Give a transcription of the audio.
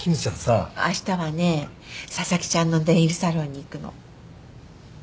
あしたはね佐々木ちゃんのネイルサロンに行くの。